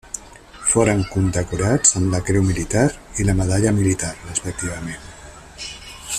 Foren condecorats amb la Creu Militar i la Medalla Militar, respectivament.